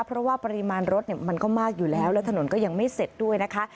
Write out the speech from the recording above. เพราะว่าปริมาณรถมันก็มากอยู่แล้วแล้วถนนก็ยังไม่เสร็จด้วยนะคะ